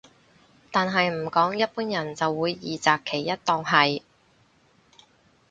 但係唔講一般人就會二擇其一當係